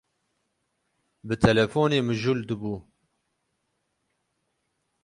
Bi telefonê mijûl dibû.